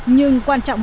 nhưng quan trọng là